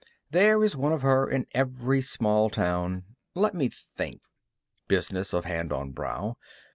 There is one of her in every small town. Let me think (business of hand on brow).